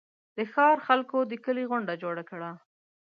د ښار خلکو د کلي غونډه جوړه کړه.